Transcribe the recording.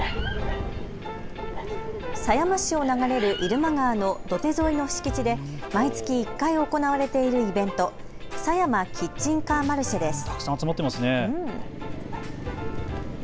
狭山市を流れる入間川の土手沿いの敷地で毎月１回行われているイベント、さやまキッチンカーマルシェです。